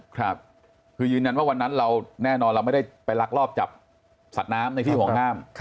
ครับคือยืนยันว่าวันนั้นเราแน่นอนเราไม่ได้ไปลักลอบจับสัตว์น้ำในที่ห่วงห้าม